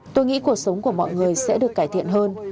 tôi nghĩ cuộc sống của mọi người sẽ được cải thiện hơn